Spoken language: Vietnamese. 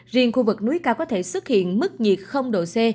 riêng khu vực núi cao có thể xuất hiện mức nhiệt độ c